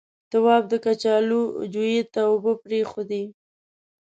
تواب د کچالو جويې ته اوبه پرېښودې.